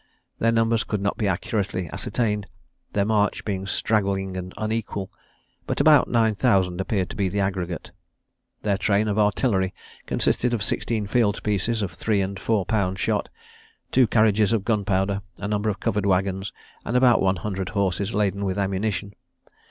Their numbers could not be accurately ascertained, their march being straggling and unequal, but about nine thousand appeared to be the aggregate. Their train of artillery consisted of sixteen field pieces of three and four pound shot, two carriages of gunpowder, a number of covered waggons, and about one hundred horses, laden with ammunition.